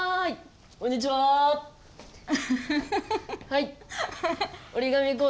はい。